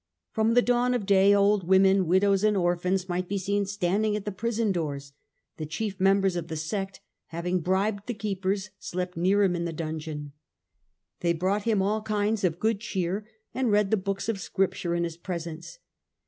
From the dawn of day, old women, widows, and orphans might be seen standing at the prison doors ; the chief members of the sect, having bribed the keepers, slept near him in the dungeon. They brought him all kinds of good cheer, and read the books of Scripture in his presence.